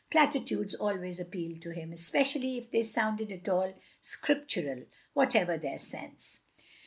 Platitudes always appealed to him, espe cially if they sounded at all Scriptural, whatever their sense.